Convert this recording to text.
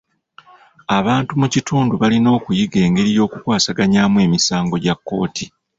Abantu mu kitundu balina okuyiiya engeri y'okukwasaganyamu emisango gya kkooti.